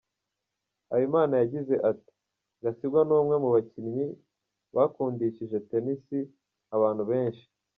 Habimana yagize ati “Gasigwa ni umwe mu bakinnyi bakundishije Tennis abantu benshi.